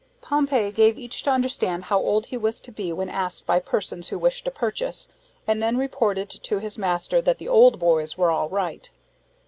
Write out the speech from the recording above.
Pompey gave each to understand how old he was to be when asked by persons who wished to purchase, and then reported to his master that the "old boys" were all right.